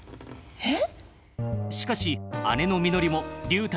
えっ？